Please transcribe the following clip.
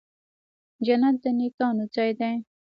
جنت د نیکانو ځای دی